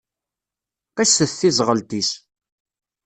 Qisset teẓɣelt-is.